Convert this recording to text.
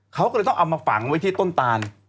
เขาก็เลยต้องเอามาฝังไว้ที่ต้นตาน